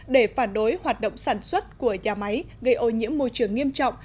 để phản đối hoạt động sản xuất của nhà máy gây ô nhiễm môi trường nghiêm trọng